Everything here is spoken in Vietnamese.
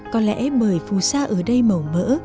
có lẽ bởi phù sa ở đây mỏng mỡ